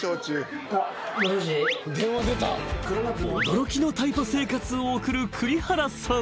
［驚きのタイパ生活を送る栗原さん］